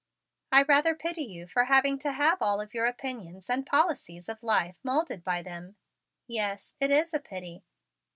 I rather pity you for having to have all of your opinions and policies of life moulded by them. Yes, it is a pity."